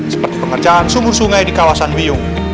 seperti pengerjaan sumur sungai di kawasan biung